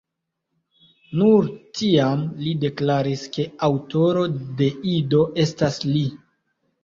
Nur tiam li deklaris, ke aŭtoro de Ido estas li.